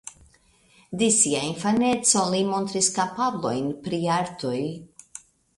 De sia infaneco li montris kapablojn pri artoj.